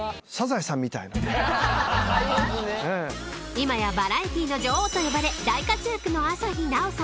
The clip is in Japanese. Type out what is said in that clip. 今やバラエティーの女王と呼ばれ大活躍の朝日奈央さん。